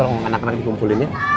kalau anak anak dikumpulin ya